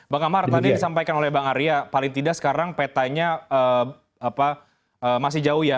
bang kamar tadi disampaikan oleh bang arya paling tidak sekarang petanya masih jauh ya